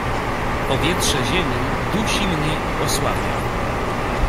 "Powietrze ziemi dusi mnie i osłabia."